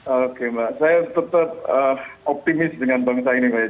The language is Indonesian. oke mbak saya tetap optimis dengan bangsa ini